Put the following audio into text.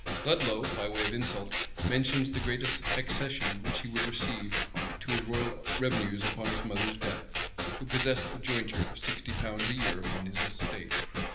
Ludlow, by way of insult, mentions the great accession which he would receive to his royal revenues upon his mother's death, who possessed a jointure of sixty pounds a year upon his estate.